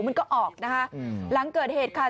มันก็ออกนะคะหลังเกิดเหตุค่ะ